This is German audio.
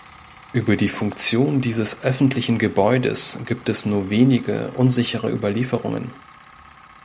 Über die Funktion dieses öffentlichen Gebäudes gibt es nur wenige, unsichere Überlieferungen.